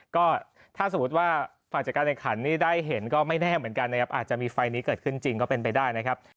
ก็ถ้าสมมุติว่าฝ่ายจัดการแข่งขันนี่ได้เห็นก็ไม่แน่เหมือนกันนะครับอาจจะมีไฟล์นี้เกิดขึ้นจริงก็เป็นไปได้นะครับ